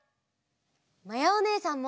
まやおねえさんも。